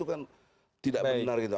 itu kan tidak benar gitu